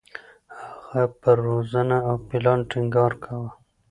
هغه پر روزنه او پلان ټینګار کاوه.